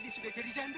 dia sudah jadi janda